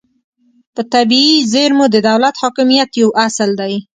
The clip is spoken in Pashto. په طبیعي زیرمو د دولت حاکمیت یو اصل دی